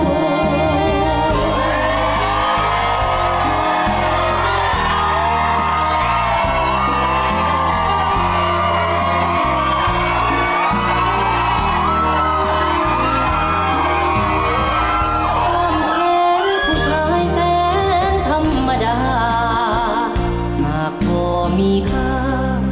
แขนผู้ชายแสนธรรมดาหากพอมีค่า